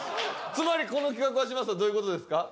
つまりこの企画は嶋佐さんどういう事ですか？